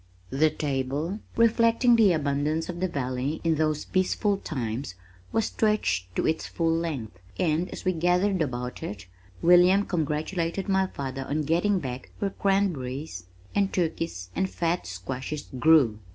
The table, reflecting the abundance of the valley in those peaceful times, was stretched to its full length and as we gathered about it William congratulated my father on getting back where cranberries and turkeys and fat squashes grew.